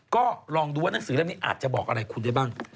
ก็ลองดูว่าหนังสือเล่มนี้อาจจะบอกอะไรคุณได้บ้าง